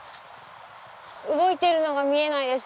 動いてるのが見えないです。